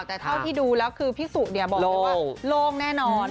แต่เท่าที่ดูแล้วคือพี่สุบอกเลยว่าโล่งแน่นอน